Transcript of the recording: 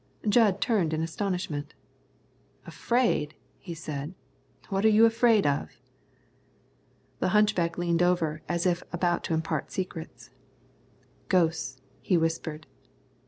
Jud turned in astonishment. "Afraid?" he said; "what are you afraid of?" The hunchback leaned over as if about to impart a secret. "Ghosts!" he whispered.